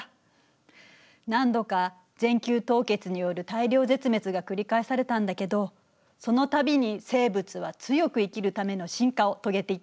何度か全球凍結による大量絶滅が繰り返されたんだけどその度に生物は強く生きるための進化を遂げていったの。